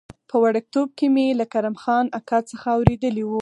په وړکتوب کې مې له کرم خان اکا څخه اورېدلي و.